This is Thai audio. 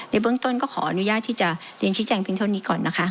ในเบื้องต้นก็ขออนุญาตที่จะเรียนชี้แจงเพียงเท่านี้ก่อนนะคะ